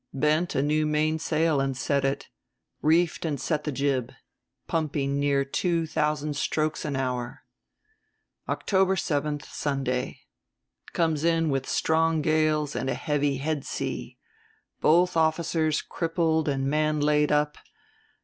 Bent a new mainsail and set it. Reefed and set the jib. Pumping near two thousand strokes an hour. "October seventh, Sunday. Comes in with strong gales and a heavy head sea. Both officers crippled and man laid up.